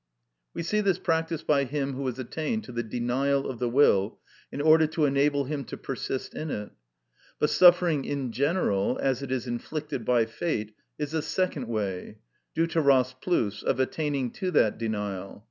We see this practised by him who has attained to the denial of the will in order to enable him to persist in it; but suffering in general, as it is inflicted by fate, is a second way (δευτερος πλους(87)) of attaining to that denial.